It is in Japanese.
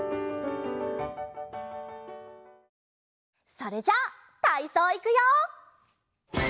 それじゃたいそういくよ！